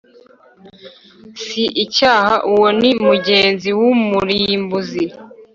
“si icyaha”,uwo ni mugenzi w’umurimbuzi